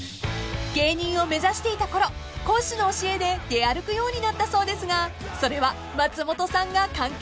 ［芸人を目指していたころ講師の教えで出歩くようになったそうですがそれは松本さんが関係しているようで］